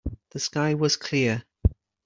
The sky was clear.